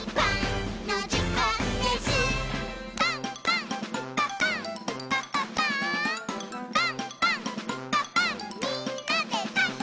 「パンパンんパパンみんなでパン！」